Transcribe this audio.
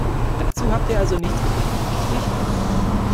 Dazu habt ihr also nichts gefunden, richtig?